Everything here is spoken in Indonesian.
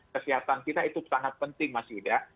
kesehatan kita itu sangat penting mas yuda